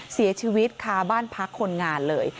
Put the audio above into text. เสียชีวิตคาบ้านพักคนงานเลย